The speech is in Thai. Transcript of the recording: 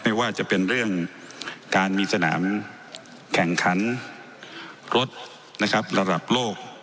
ไม่ว่าจะเป็นเรื่องการมีสนามแข่งขันรถนะครับระดับโลก